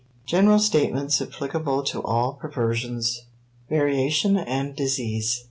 3. GENERAL STATEMENTS APPLICABLE TO ALL PERVERSIONS *Variation and Disease.